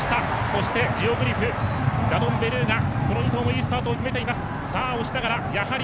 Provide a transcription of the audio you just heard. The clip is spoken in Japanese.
そしてジオグリフダノンベルーガ、この２頭もいいスタートを決めています。